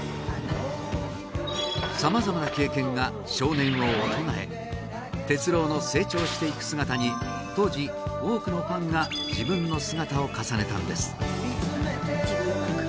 さまざまな経験が少年を大人へ哲郎の成長していく姿に当時、多くのファンが自分の姿を重ねたんです